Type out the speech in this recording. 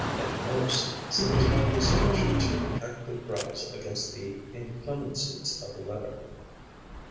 at most, seems hardly sufficient to protect the grubs against the inclemencies of the weather.